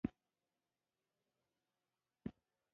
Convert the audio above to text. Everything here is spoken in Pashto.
احمد کره د هر څه پرېماني ده، بیخي په ژرنده کې یې کور دی.